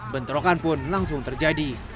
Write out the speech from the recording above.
bentrokan pun langsung terjadi